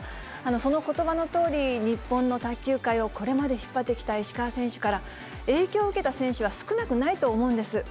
そのことばのとおり、日本の卓球界をこれまで引っ張ってきた石川選手から影響を受けた選手は少なくないと思うんです。